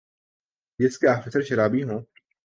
جس کے آفیسر شرابی ہوں